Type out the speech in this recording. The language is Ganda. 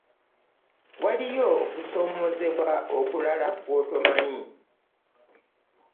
Waliyo okusoomoozebwa okulaba kw'otomanyi.